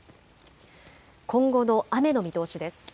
今後の雨の見通しです。